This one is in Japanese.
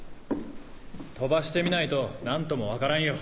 飛ばしてみないと何とも分からんよ。